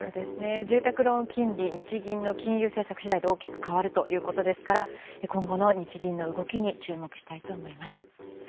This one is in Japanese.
住宅ローン金利日銀の金融政策次第で大きく変わるということですから今後の日銀の動きに注目したいと思います。